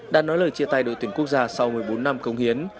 đã nói lời chia tay đội tuyển quốc gia sau một mươi bốn năm công hiến